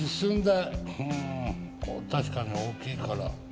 確かに大きいから。